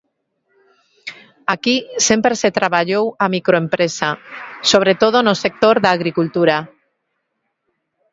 Aquí sempre se traballou a microempresa, sobre todo no sector da agricultura.